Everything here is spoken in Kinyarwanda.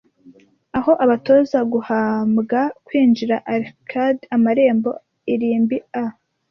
Aho abatoza guhambwa kwinjira arched amarembo irimbi a,